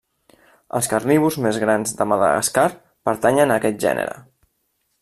Els carnívors més grans de Madagascar pertanyen a aquest gènere.